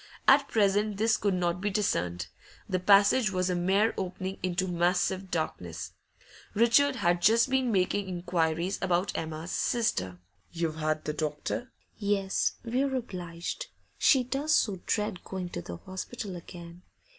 At present this could not be discerned; the passage was a mere opening into massive darkness. Richard had just been making inquiries about Emma's sister. 'You've had the doctor?' 'Yes, we're obliged; she does so dread going to the hospital again.